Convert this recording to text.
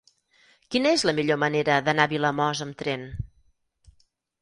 Quina és la millor manera d'anar a Vilamòs amb tren?